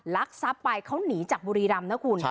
ลักทรัพย์ไปเขาหนีจากบุรีรำนะคุณ